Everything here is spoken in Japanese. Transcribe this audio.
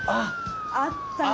あったね。